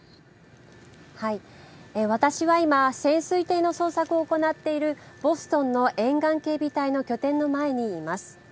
私は今、潜水艇の捜索を行っているボストンの沿岸警備隊の拠点の前にいます。